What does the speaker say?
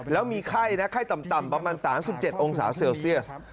แล้วมีไข้นะไข้ต่ำประมาณ๓๗องศาเซลเซียส